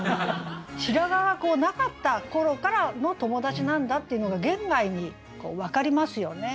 白髪がなかった頃からの友達なんだっていうのが言外に分かりますよね。